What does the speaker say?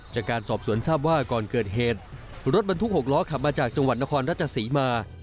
จากการสอบสวนทราบว่าก่อนเกิดเหตุรถบรรทุก๖ล้อขับมาจากจังหวัดนครราชศรีมา